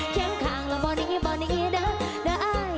แข็งข้างละบ่นิงบ่นิงดะดะอาย